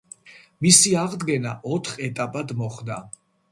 მისი აღდგენა ოთხ ეტაპად მოხდა.